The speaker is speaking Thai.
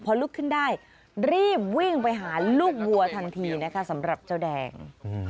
พอลุกขึ้นได้รีบวิ่งไปหาลูกวัวทันทีนะคะสำหรับเจ้าแดง